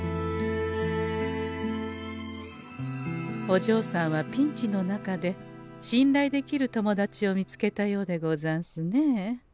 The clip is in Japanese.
おじょうさんはピンチの中でしんらいできる友達を見つけたようでござんすね。